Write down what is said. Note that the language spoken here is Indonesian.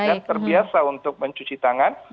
dan terbiasa untuk mencuci tangan